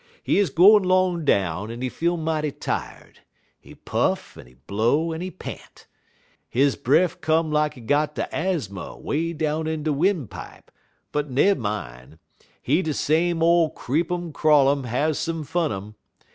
He 'uz gwine 'long down, en he feel mighty tired; he puff, en he blow, en he pant. He breff come lak he got de azmy 'way down in he win' pipe; but, nummine! he de same ole Creep um crawl um Have some fun um.